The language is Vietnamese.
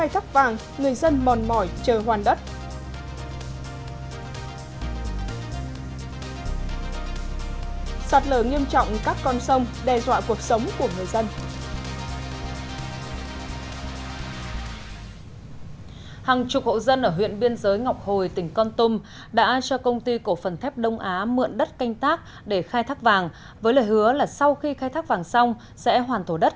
tiếp theo chương trình cho mượn đất khai thác vàng người dân mòn mỏi chờ hoàn đất